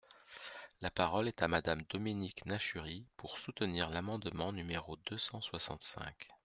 La parole est à Madame Dominique Nachury, pour soutenir l’amendement numéro deux cent soixante-cinq.